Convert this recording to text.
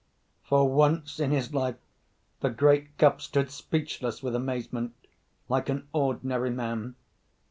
For once in his life, the great Cuff stood speechless with amazement, like an ordinary man.